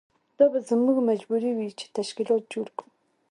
دا به زموږ مجبوري وي چې تشکیلات جوړ کړو.